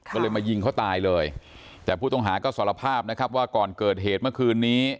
ก็เลยมายิงเขาตายเลยแต่ผู้ต้องหาก็สารภาพนะครับว่าก่อนเกิดเหตุเมื่อคืนนี้